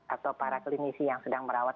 atau para klinisi yang sedang merawat